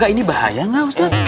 gak ini bahaya gak ustaz